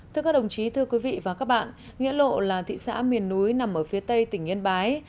thưa các đồng chí thưa quý vị và các bạn nghĩa lộ là thị xã miền núi nằm ở phía tây tỉnh yên bái